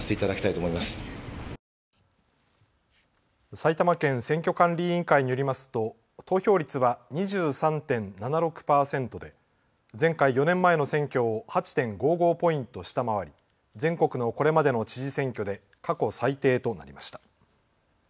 埼玉県選挙管理委員会によりますと投票率は２３．７６％で、前回４年前の選挙を８．５５ポイント下回り、全国のこれまでの知事選挙で過去最低となりました。